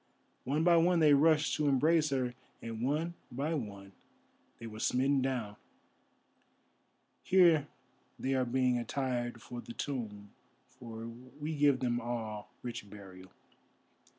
One by one they rushed to embrace her, and one by one they were smitten down. Here they are being attired for the tomb, for we give them all rich burial."